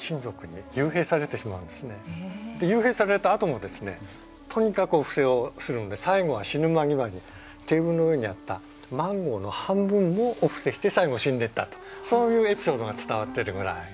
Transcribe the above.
幽閉されたあともですねとにかくお布施をするんで最後は死ぬ間際にテーブルの上にあったマンゴーの半分をお布施して最後死んでいったとそういうエピソードが伝わってるぐらい。